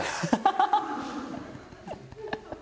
ハハハハ！